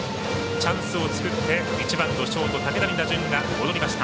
チャンスを作って１番のショート武田に打順が戻りました。